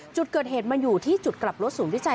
จุดเกิดเหตุมันอยู่ที่จุดกลับรถศูนย์วิจัย